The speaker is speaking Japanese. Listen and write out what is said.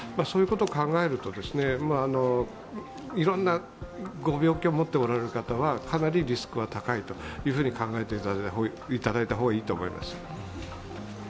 そういうことを考えると、いろんなご病気を持っておられる方はかなりリスクは高いと考えていただいた方がいいと思います。